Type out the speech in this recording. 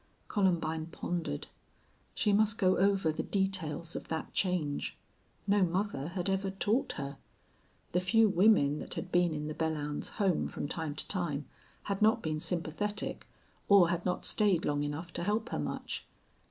Columbine pondered. She must go over the details of that change. No mother had ever taught her. The few women that had been in the Belllounds home from time to time had not been sympathetic or had not stayed long enough to help her much.